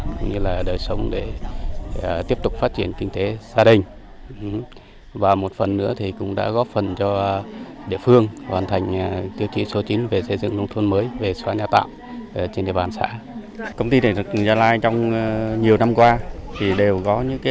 thưa quý vị không chỉ thực hiện nhiệm vụ phát triển kinh tế vừa qua ngành điện gia lai còn triển khai các hoạt động ý nghĩa